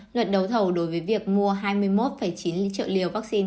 luận đầu thầu đối với việc mua hai mươi một chín triệu liều vaccine